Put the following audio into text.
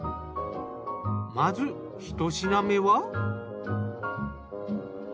まずひと品目は。